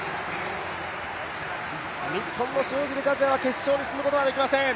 日本の塩尻和也は決勝に進むことはできません。